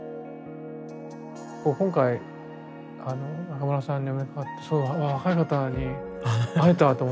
今回中村さんにお目にかかってすごい若い方に会えたと思って。